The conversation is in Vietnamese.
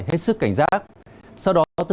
hết sức cảnh giác sau đó từ